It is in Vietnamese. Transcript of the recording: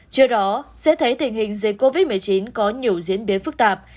trước đó sẽ thấy tình hình dịch covid một mươi chín có nhiều diễn biến phức tạp